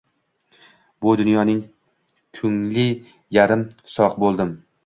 Bu dunyoning kungli yarim sogi buldim